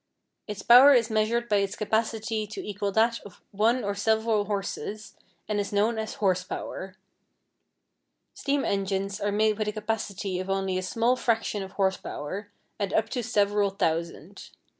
Its power is measured by its capacity to equal that of one or several horses, and is known as horse power. Steam engines are made with a capacity of only a small fraction of horse power, and up to several thousand.